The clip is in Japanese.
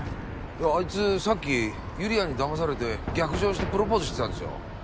いやあいつさっき優梨愛にだまされて逆上してプロポーズしてたんですよ。